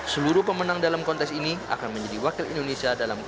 seluruh pemenang dalam kontes ini akan menjadi wakil indonesia dalam dua ribu